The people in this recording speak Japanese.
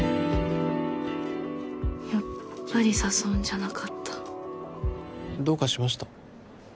やっぱり誘うんじゃなかったどうかしました？